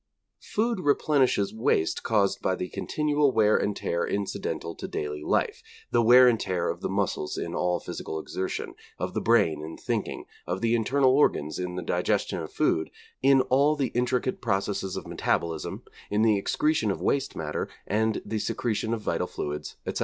Food replenishes waste caused by the continual wear and tear incidental to daily life: the wear and tear of the muscles in all physical exertion, of the brain in thinking, of the internal organs in the digestion of food, in all the intricate processes of metabolism, in the excretion of waste matter, and the secretion of vital fluids, etc.